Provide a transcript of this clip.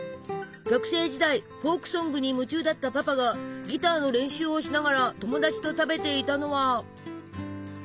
学生時代フォークソングに夢中だったパパがギターの練習をしながら友達と食べていたのは。